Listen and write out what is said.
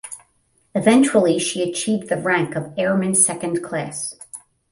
Eventually she achieved the rank of Airman Second Class.